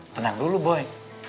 tenang dulu boy